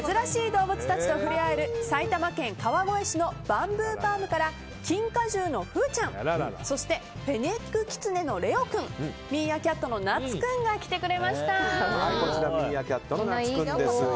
動物たちと触れ合える、埼玉県川越市のバンブーパームからキンカジューのふうちゃんフェネックキツネのレオ君ミーアキャットのなつ君が来てくれました。